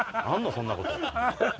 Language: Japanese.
そんなこと。